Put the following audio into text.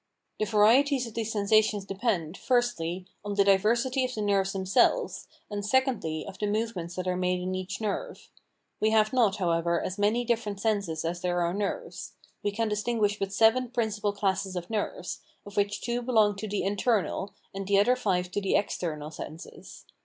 The varieties of these sensations depend, firstly, on the diversity of the nerves themselves, and, secondly, of the movements that are made in each nerve. We have not, however, as many different senses as there are nerves. We can distinguish but seven principal classes of nerves, of which two belong to the internal, and the other five to the external senses.